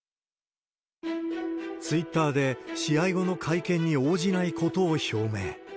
ツイッターで、試合後の会見に応じないことを表明。